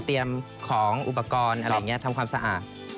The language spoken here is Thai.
ของอุปกรณ์อะไรอย่างนี้ทำความสะอาด